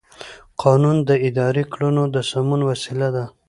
قانون د اداري کړنو د سمون وسیله ده.